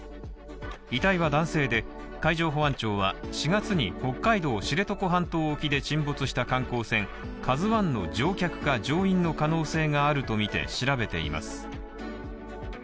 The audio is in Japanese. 遺体は男性で、海上保安庁は４月に北海道知床半島沖で沈没した観光船、「ＫＡＺＵⅠ」の乗客が乗員の可能性があるとみて調べています。